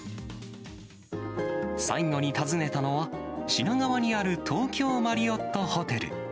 最後に訪ねたのは、品川にある東京マリオットホテル。